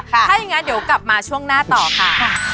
ถ้าอย่างนั้นเดี๋ยวกลับมาช่วงหน้าต่อค่ะ